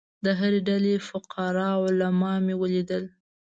د هرې ډلې فقراء او عالمان مې ولیدل.